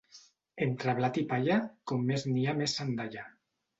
Entre blat i palla, com més n'hi ha més se'n dalla.